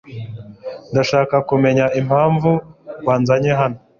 Ndashaka kumenya impamvu wanzanye hano.